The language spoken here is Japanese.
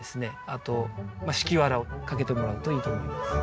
あと敷きわらをかけてもらうといいと思います。